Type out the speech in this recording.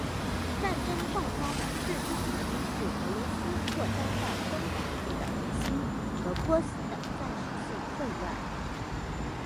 战争爆发的最终原因是俄罗斯扩张到东南部的野心和波斯的暂时性混乱。